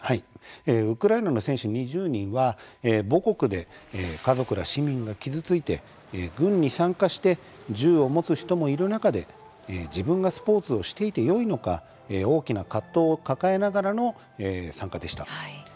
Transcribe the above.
ウクライナの選手２０人は母国で家族ら市民が傷ついて軍に参加して銃を持つ人もいる中で自分がスポーツをしていてよいのか大きな葛藤を抱えながらの参加でした。